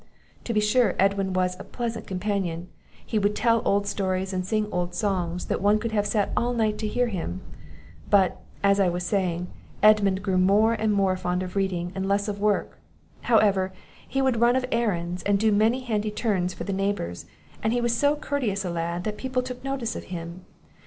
"To be sure, Edwin was a pleasant companion; he would tell old stories, and sing old songs, that one could have sat all night to hear him; but, as I was a saying, Edmund grew more and more fond of reading, and less of work; however, he would run of errands, and do many handy turns for the neighbours; and he was so courteous a lad, that people took notice of him.